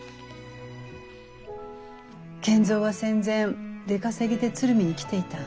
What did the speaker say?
賢三は戦前出稼ぎで鶴見に来ていた。